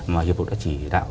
mà hiệp vụ đã chỉ đạo